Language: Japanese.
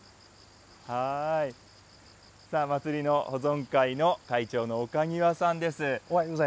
さあ、祭りの保存会の会長の岡庭さんです。